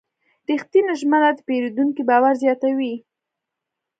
رښتینې ژمنه د پیرودونکي باور زیاتوي.